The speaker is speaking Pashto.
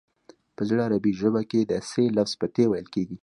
په زړه عربي ژبه کې د ث لفظ په ت ویل کیږي